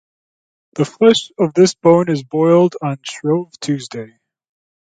The flesh of this bone is boiled on Shrove Tuesday.